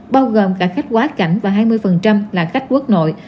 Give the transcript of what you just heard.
bao gồm cả khách quá cảnh và hai mươi là khách quốc nội